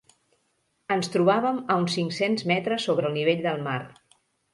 Ens trobàvem a uns cinc-cents metres sobre el nivell del mar.